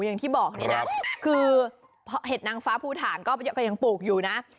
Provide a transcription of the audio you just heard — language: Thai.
อย่างที่บอกนี่นะคือเห็ดนางฟ้าภูฐานก็ยังปลูกอยู่นะ